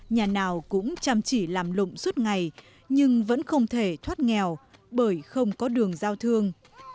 nhà nào cũng chăm chỉ làm lụm suốt ngày nhưng vẫn không thể thoát nghèo bởi không có đường giao thương